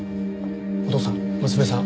お父さん娘さん